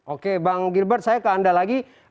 oke bang gilbert saya ke anda lagi